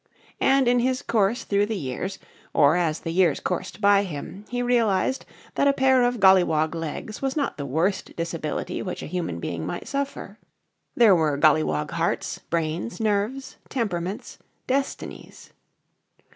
And, in his course through the years, or as the years coursed by him, he realised that a pair of gollywog legs was not the worst disability which a human being might suffer. There were gollywog hearts, brains, nerves, temperaments, destinies.